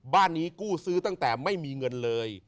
บ้านนี้กู้ซื้อตั้งแต่ไม่มีเงินเลย